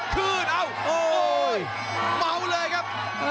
คืนเอ้าโอ้ยเมาเลยครับ